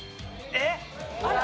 えっ！？